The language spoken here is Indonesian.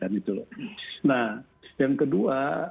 nah yang kedua